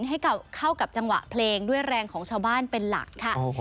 ให้เข้ากับจังหวะเพลงด้วยแรงของชาวบ้านเป็นหลักค่ะ